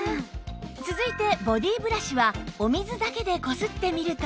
続いてボディブラシはお水だけでこすってみると